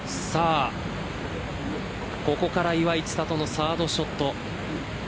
ここから岩井千怜のサードショット。